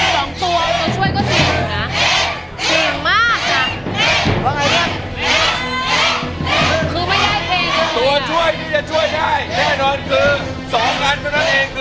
ตกลงว่าคุณนุ้ยครับโดยเล่นโดยจะหยุดครับ